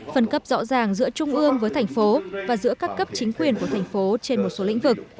phân cấp rõ ràng giữa trung ương với thành phố và giữa các cấp chính quyền của thành phố trên một số lĩnh vực